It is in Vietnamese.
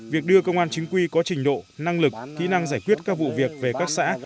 việc đưa công an chính quy có trình độ năng lực kỹ năng giải quyết các vụ việc về các xã